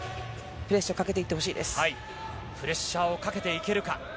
プレッシャーをかけていけるか。